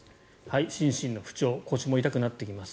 心身の不調腰も痛くなってきます。